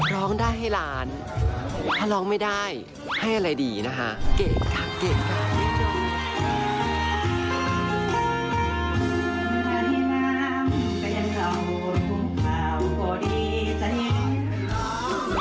ร้องได้ให้ล้านถ้าร้องไม่ได้ให้อะไรดีนะคะเก่งค่ะเก่งค่ะ